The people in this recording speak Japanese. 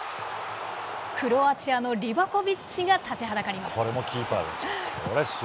クロアチアのリバコビッチが立ちはだかります。